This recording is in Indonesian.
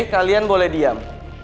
oke kalian boleh diam